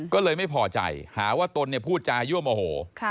ก็เลยไม่พอใจหาว่าตนพูดจายั่วโมโห